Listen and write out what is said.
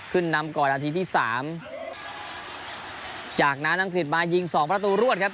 ขึ้นนำก่อนนาทีที่สามจากนั้นอังกฤษมายิงสองประตูรวดครับ